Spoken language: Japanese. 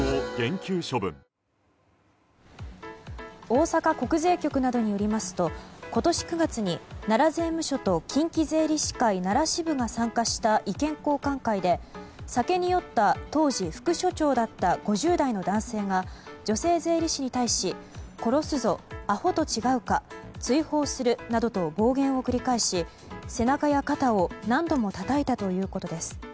大阪国税局などによりますと今年９月に奈良税務署と近畿税理士会奈良支部が参加した意見交換会で酒に酔った当時副所長だった５０代の男性が女性税理士に対し殺すぞ、アホと違うか追放するなどと暴言を繰り返し背中や肩を何度もたたいたということです。